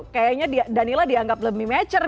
kayaknya danila dianggap lemih mecer